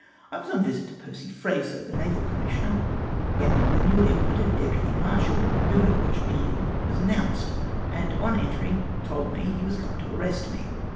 I was on a visit to Percy Fraser, the naval commissioner, when the newly appointed deputy mar shal who had watched me in was announced, and on enterino' told me he was come to arrest me.